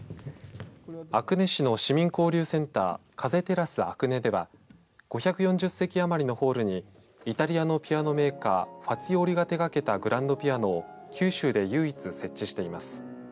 阿久根市の市民交流センター風テラスあくねでは５４０席余りのホールにイタリアのピアノメーカーファツィオリが手がけたグランドピアノを九州で唯一設置しています。